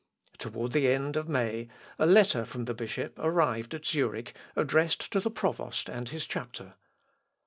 Toward the end of May, a letter from the bishop arrived at Zurich addressed to the provost and his chapter.